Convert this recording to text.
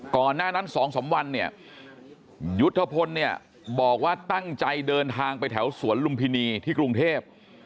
ก่อนหน้านั้น๒๓วันเนี่ยยุทธพลเนี่ยบอกว่าตั้งใจเดินทางไปแถวสวนลุมพินีที่กรุงเทพ